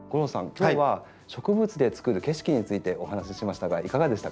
今日は植物でつくる景色についてお話ししましたがいかがでした？